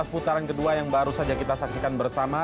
putaran kedua yang baru saja kita saksikan bersama